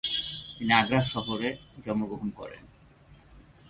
তিনি আগ্রা সহরে জন্মগ্রহণ করেন।